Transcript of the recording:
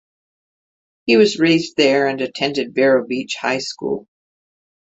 He was raised there and attended Vero Beach High School.